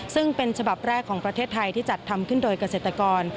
ซึ่งเป็นฉบับแรกของประเทศไทยที่จัดทำขึ้นโดยเกษตรกร